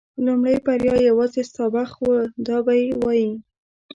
لومړۍ بریا یوازې ستا بخت و دا به یې وایي.